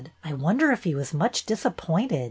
I wonder if he was much disappointed?